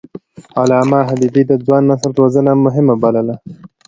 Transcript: علامه حبيبي د ځوان نسل روزنه مهمه بلله.